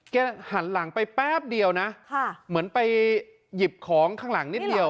หันหลังไปแป๊บเดียวนะเหมือนไปหยิบของข้างหลังนิดเดียว